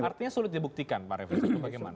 artinya sulit dibuktikan pak raffi rizal itu bagaimana